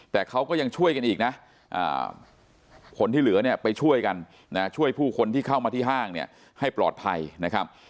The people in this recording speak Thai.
แต่เขาก็ยังช่วยกันอีกนะคนที่เหลือเนี่ยไปช่วยกันนะช่วยผู้คนที่เข้ามาที่ห้างเนี่ยให้ปลอดภัยนะครับ